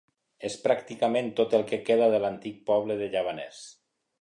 És pràcticament tot el que queda de l'antic poble de Llavaners.